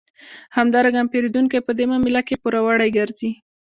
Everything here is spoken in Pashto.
همدارنګه پېرودونکی په دې معامله کې پوروړی ګرځي